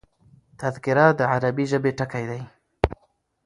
تذکره د عربي ژبي ټکی دﺉ.